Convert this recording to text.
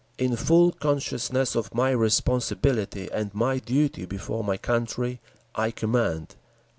In full consciousness of my responsibility and my duty before my country, I command: 1.